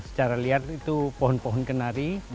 secara liar itu pohon pohon kenari